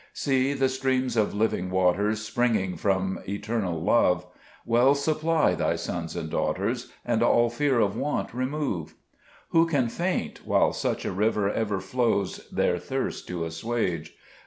2 See, the streams of living waters, Springing from eternal Love, Well supply thy sons and daughters, And all fear of want remove : Who can faint, while such a river Ever flows their thirst to assuage